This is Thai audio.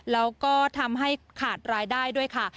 แล้วก็ทำให้ขาดรายได้ด้วยค่ะ